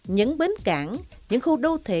những bến cảng những khu đô thị